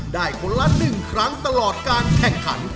คนละ๑ครั้งตลอดการแข่งขัน